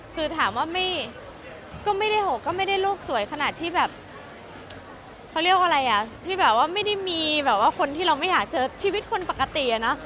คือถามว่าก็ไม่ได้หกก็ไม่ได้โลกสวยขนาดที่แบบเขาเรียกว่าอะไรอ่ะที่แบบว่าไม่ได้มีแบบว่าคนที่เราไม่อยากเจอชีวิตคนปกติอ่ะเนอะ